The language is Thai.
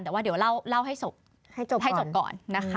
แต่ว่าเดี๋ยวเล่าให้จบให้จบก่อนนะคะ